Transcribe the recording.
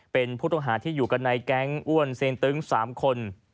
เป็นพุทธภาคที่อยู่กันในแก๊งอ้วนเซ็นตึง๓คน